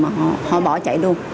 mà họ bỏ chạy luôn